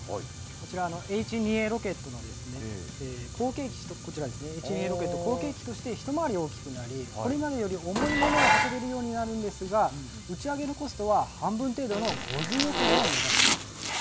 こちら、Ｈ２Ａロケットの後継機と、こちらですね、Ｈ２Ａロケットの後継機として、一回り大きくなり、これまでより重いものを運べるようになるんですが、打ち上げのコストは、半分程度の５０億円を目指すんです。